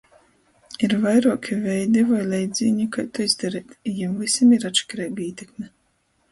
Ir vairuoki veidi voi leidzīni, kai tū izdareit, i jim vysim ir atškireiga ītekme.